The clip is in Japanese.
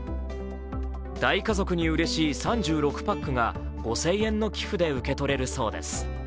大家族にうれしい３６パックが５０００円の寄付で受け取れるそうです。